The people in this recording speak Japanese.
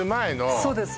そうです